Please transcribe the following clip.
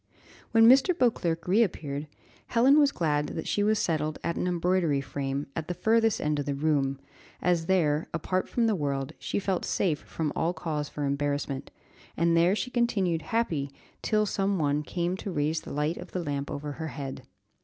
When Mr. Beauclerc reappeared, Helen was glad that she was settled at an embroidery frame, at the furthest end of the room, as there, apart from the world, she felt safe from all cause for embarrassment, and there she continued happy till some one came to raise the light of the lamp over her head.